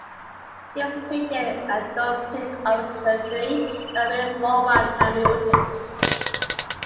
He was succeeded at Dunsink Observatory by William Rowan Hamilton.